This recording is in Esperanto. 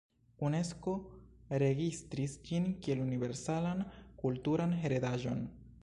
Unesko registris ĝin kiel universalan kulturan heredaĵon.